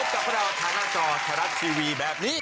พบกับเราทางหน้าจอธนัดสีวีแบบนี้